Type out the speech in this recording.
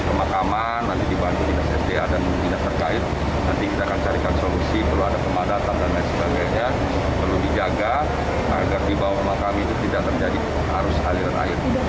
tim maka manan dibantu dengan keadaan bedanya terkait sampai hidangkan solusi perlu ada